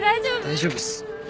大丈夫っす。